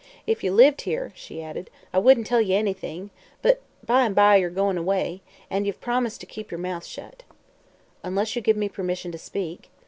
If ye lived here," she added, "I wouldn't tell ye anything, but by 'n' by yer goin' away. An' ye've promised to keep yer mouth shut." "Unless you give me permission to speak."